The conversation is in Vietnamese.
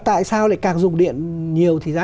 tại sao lại càng dùng điện nhiều thì giá